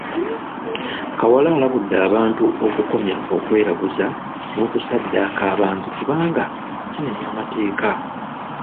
Kawala alabudde abantu okukomya okweraguza n’okusaddaaka abantu kubanga kimenya mateeka.